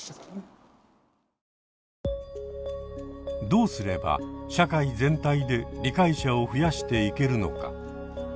どうすれば社会全体で理解者を増やしていけるのか。